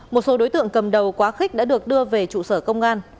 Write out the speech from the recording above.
một số đối tượng cầm đầu quá khích đã được đưa về trụ sở công an